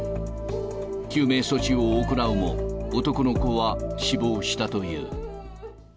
救命措置を行うも、男の子は死亡したという。